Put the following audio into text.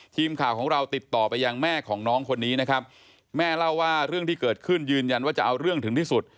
ทีมข่าวของเราติดต่อไปยังแม่ของน้องคนนี้นะครับแม่เล่าว่าเรื่องที่เกิดขึ้นยืนยันว่าจะเอาเรื่องถึงที่สุด